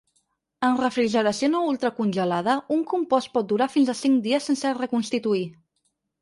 En refrigeració no ultracongelada, un compost pot durar fins a cinc dies sense reconstituir.